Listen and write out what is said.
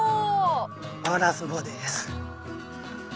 ワラスボです。